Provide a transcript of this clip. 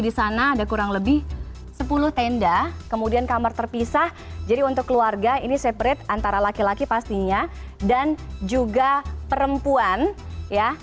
di sana ada kurang lebih sepuluh tenda kemudian kamar terpisah jadi untuk keluarga ini separate antara laki laki pastinya dan juga perempuan ya